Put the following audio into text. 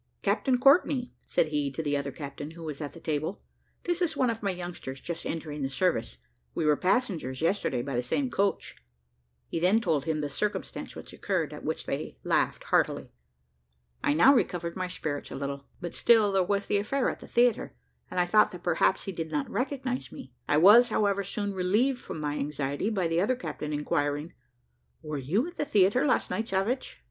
"Captain Courtney," said he to the other captain, who was at the table, "this is one of my youngsters, just entering the service. We were passengers yesterday by the same coach." He then told him the circumstance which occurred, at which they laughed heartily. I now recovered my spirits a little but still there was the affair at the theatre, and I thought that perhaps he did not recognise me. I was, however, soon relieved from my anxiety by the other captain inquiring, "were you at the theatre last night, Savage?"